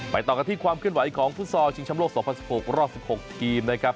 ต่อกันที่ความเคลื่อนไหวของฟุตซอลชิงชำโลก๒๐๑๖รอบ๑๖ทีมนะครับ